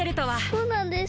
そうなんです！